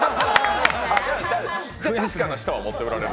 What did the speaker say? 確かな舌は持っておられる。